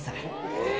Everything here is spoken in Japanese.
え！